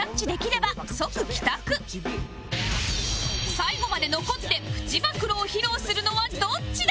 最後まで残ってプチ暴露を披露するのはどっちだ？